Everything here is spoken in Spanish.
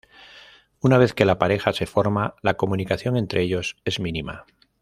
Una vez que la pareja se forma, la comunicación entre ellos es mínima.